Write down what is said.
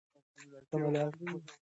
که ملالۍ نه وای جنګېدلې، بری به نه وو.